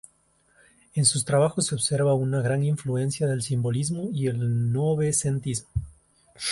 En sus trabajos se observa una gran influencia del Simbolismo y el Novecentismo.